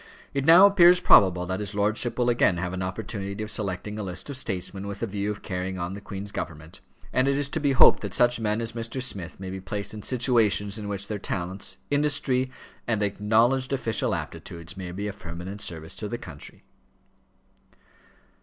It now appears probable that his lordship will again have an opportunity of selecting a list of statesmen with the view of carrying on the Queen's government; and it is to be hoped that such men as Mr. Smith may be placed in situations in which their talents, industry, and acknowledged official aptitudes, may be of permanent service to the country."